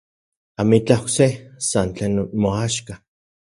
Amitlaj okse, san tlen moaxka.